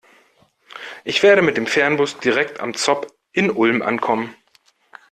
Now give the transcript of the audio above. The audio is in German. Ich werde mit dem Fernbus direkt am ZOB in Ulm ankommen.